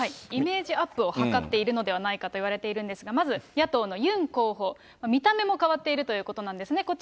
イメージアップを図っているんではないかといわれているんですが、まず野党のユン候補、見た目も変わっているということなんですね。